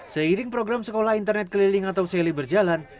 seiring program sekolah internet keliling atau seli berjalan